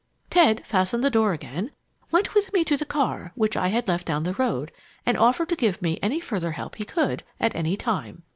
Ted fastened the door again, went with me to the car, which I had left down the road, and offered to give me any further help he could, at any time.